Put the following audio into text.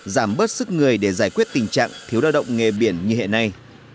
giảm bớt sức người để giải quyết tình trạng thiếu đa động nghề biển như hiện nay